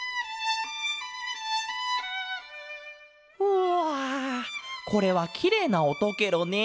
うわこれはきれいなおとケロね。